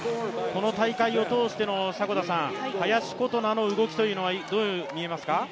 この大会を通しての林琴奈の動きというのはどう見えますか？